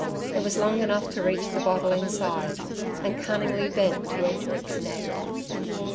It was long enough to reach the bottle inside, and cunningly bent to enter its neck.